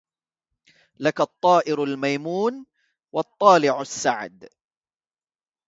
لك الطائر الميمون والطالع السعد